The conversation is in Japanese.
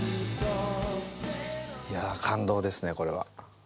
感動ですねこれは。